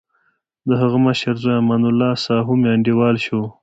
دهغه مشر زوی امان الله ساهو مې انډیوال شو.